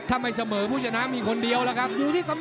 อ้าวผสมในต้องดูในด้วย